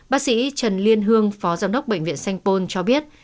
bác sĩ trần liên hương phó giám đốc bệnh viện sanh pôn cho biết